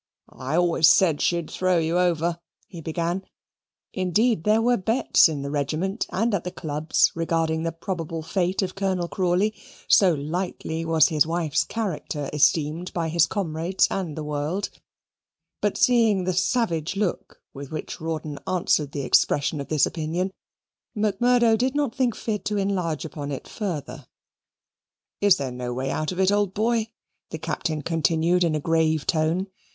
"I always said she'd throw you over," he began indeed there were bets in the regiment and at the clubs regarding the probable fate of Colonel Crawley, so lightly was his wife's character esteemed by his comrades and the world; but seeing the savage look with which Rawdon answered the expression of this opinion, Macmurdo did not think fit to enlarge upon it further. "Is there no way out of it, old boy?" the Captain continued in a grave tone.